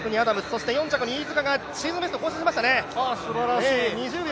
そして４着に飯塚、シーズンベスト更新しましたね。